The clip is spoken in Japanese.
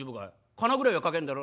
仮名ぐらいは書けんだろ？」。